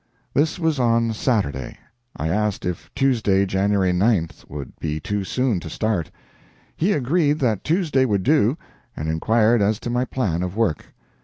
This was on Saturday; I asked if Tuesday, January 9, would be too soon to start. He agreed that Tuesday would do, and inquired as to my plan of work.